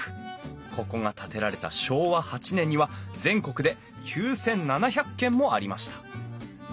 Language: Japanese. ここが建てられた昭和８年には全国で９，７００軒もありました。